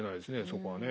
そこはね。